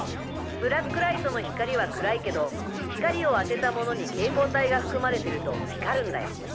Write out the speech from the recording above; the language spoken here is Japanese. ブラックライトの光は暗いけど光を当てた物に蛍光体が含まれてると光るんだよ。